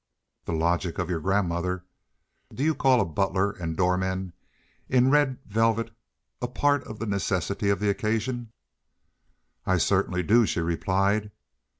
"The logic of your grandmother! Do you call a butler and doorman in red velvet a part of the necessity of the occasion?" "I certainly do," she replied.